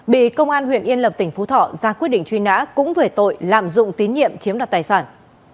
bị công an huyện yên lập tỉnh phú thọ ra quyết định truy nã cũng về tội lạm dụng tín nhiệm chiếm đoạt tài sản